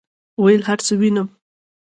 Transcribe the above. ویل هرڅه وینم،